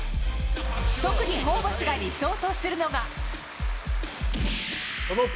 特にホーバスが理想とするのが。